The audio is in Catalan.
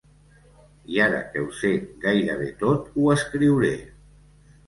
I ara que ho sé gairebé tot ho escriuré.